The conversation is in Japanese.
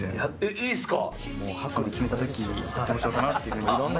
いいんすか？